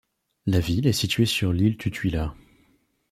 La ville est située sur l'île Tutuila.